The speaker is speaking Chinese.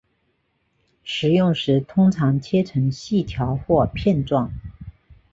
食用时通常切成细条或片状。